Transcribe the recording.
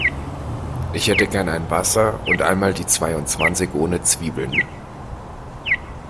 Ich hätte gern ein Wasser und einmal die zweiundzwanzig ohne Zwiebeln.